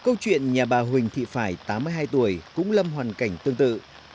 câu chuyện nhà bà huỳnh thị phải tám mươi hai tuổi cũng lâm hoàn cảnh tương tự